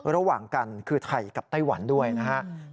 ระหว่างกันคือไทยกับไต้หวันด้วยนะครับ